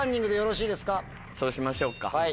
そうしましょうか。